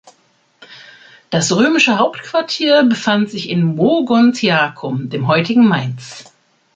Das römische Hauptquartier befand sich in Mogontiacum, dem heutigen Mainz.